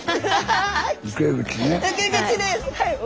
はい。